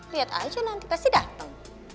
lihat aja nanti pasti datang